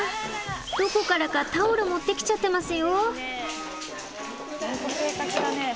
どこからかタオル持ってきちゃってますよ。